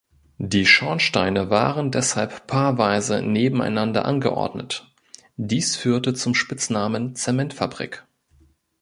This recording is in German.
Die Schornsteine waren deshalb paarweise nebeneinander angeordnet; dies führte zum Spitznamen „Zementfabrik“.